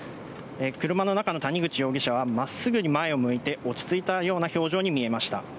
車の中の谷口容疑者は、まっすぐに前を向いて、落ち着いたような表情に見えました。